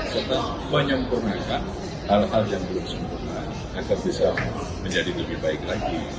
serta menyempurnakan hal hal yang belum sempurna agar bisa menjadi lebih baik lagi